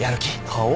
顔？